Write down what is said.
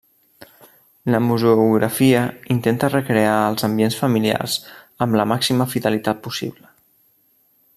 La museografia intenta recrear els ambients familiars amb la màxima fidelitat possible.